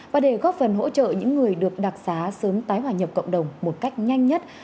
và để góp phần hỗ trợ những người được đặc xá sớm tái hòa nhập cộng đồng một cách nhanh nhất